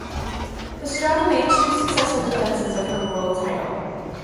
Pastrana made two successful defenses of her world title.